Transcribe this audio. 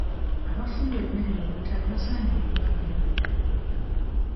Abafumba emmere mu butale basaanye okuba abayonjo.